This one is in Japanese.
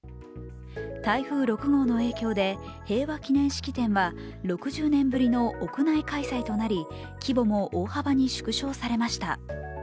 台風６号の影響で平和祈念式典は６０年ぶりの屋内開催となり規模も大幅に縮小されました。